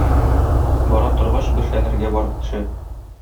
Бара торгач, бер шәһәргә барып төшә.